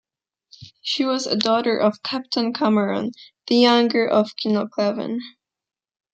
She was a daughter of Captain Cameron the younger of Kinlochleven.